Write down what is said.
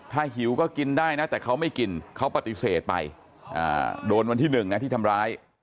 ถ้าหิวก็กินได้นะแต่เขาไม่กินเขาปฏิเสธไปโดนวันที่๑นะที่ทำร้าย